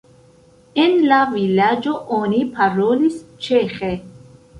En la vilaĝo oni parolis ĉeĥe.